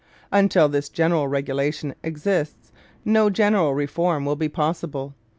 Until this general regulation exists no general reform will be possible.